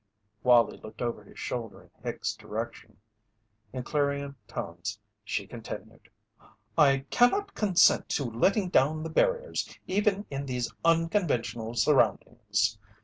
Wallie looked over his shoulder in Hicks' direction. In clarion tones she continued: "I cannot consent to letting down the barriers even in these unconventional surroundings.